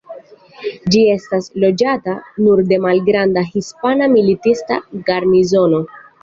Ĝi estas loĝata nur de malgranda hispana militista garnizono.